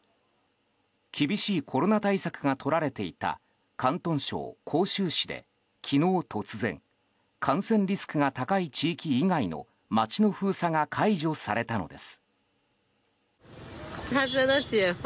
厳しいコロナ対策がとられていた広東省広州市で昨日突然感染リスクが高い地域以外の街の封鎖が解除されたのです。